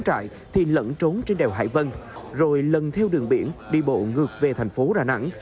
trốn trại thì lẫn trốn trên đèo hải vân rồi lần theo đường biển đi bộ ngược về tp rà nẵng